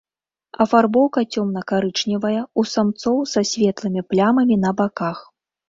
Афарбоўка цёмна-карычневая, у самцоў са светлымі плямамі на баках.